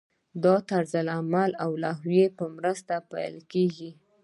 دا د طرزالعملونو او لوایحو په مرسته پلی کیږي.